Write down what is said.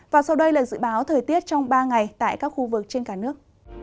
và sau đây là dự báo thời tiết trong ba ngày tại các khu vực trên cả nước